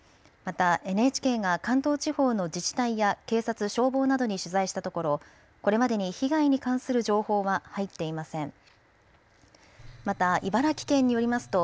また、ＮＨＫが関東地方の自治体や警察・消防などに取材したところこれまでに被害に関する情報は入っていません。